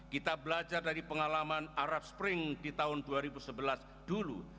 kita belajar dari pengalaman arab spring di tahun dua ribu sebelas dulu